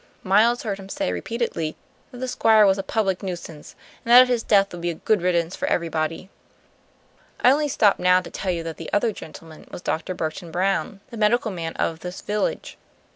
Miles heard him say repeatedly that the Squire was a public nuisance, and that his death would be a good riddance for everybody. I only stop now to tell you that the other gentleman was Dr. Burton Brown, the medical man of this village.